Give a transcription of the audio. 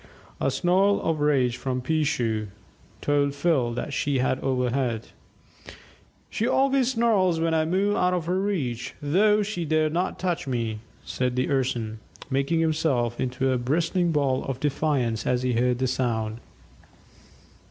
A snarl of rage from "Peeshoo" told Phil that she had overheard. "She always snarls when I move out of her reach, though she dare not touch me," said the Urson, making himself into a bristling ball of defiance as he heard the sound.